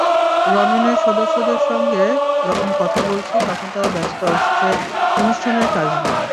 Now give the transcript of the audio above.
রণনের সদস্যদের সঙ্গে যখন কথা বলছি তখন তাঁরা ব্যস্ত আসছে অনুষ্ঠানের কাজ নিয়ে।